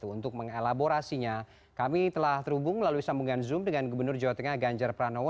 untuk mengelaborasinya kami telah terhubung melalui sambungan zoom dengan gubernur jawa tengah ganjar pranowo